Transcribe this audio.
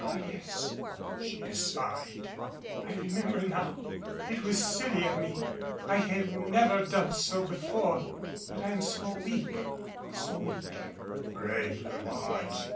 "Ah yes," she sighed, "I remember now! It was silly of me. I have never done so before. But I am so weak, so weak " Brave little heart!